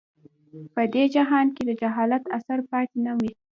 په دې جهان کې د جاهلیت اثر پاتې نه وي.